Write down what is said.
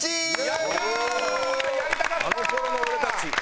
やりたかった！